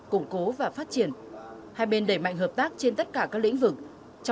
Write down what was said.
củng cố và phát triển hai bên đẩy mạnh hợp tác trên tất cả các lĩnh vực